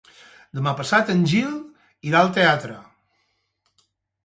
Demà passat en Gil irà al teatre.